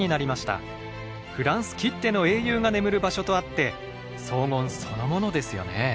フランスきっての英雄が眠る場所とあって荘厳そのものですよね。